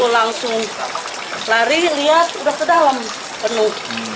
langsung lari lihat sudah ke dalam penuh